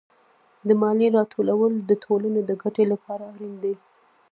د مالیې راټولول د ټولنې د ګټې لپاره اړین دي.